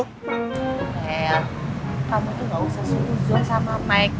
kamu tuh gak usah setuju sama mike